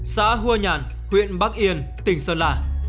xã hua nhàn huyện bắc yên tỉnh sơn lạ